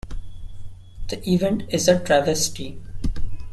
The event is a travesty.